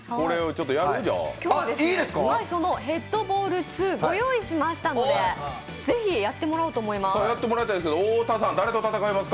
今日はその「ヘッドボール２」を御用意しましたのでぜひ、やってもらおうと思います。